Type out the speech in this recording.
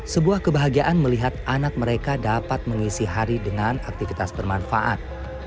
sebuah kebahagiaan melihat anak mereka dapat mengisi hari dengan aktivitas bermanfaat